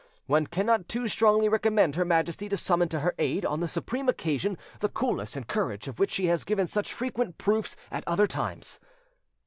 "One cannot too strongly recommend her Majesty to summon to her aid on the supreme occasion the coolness and courage of which she has given such frequent proofs at other times."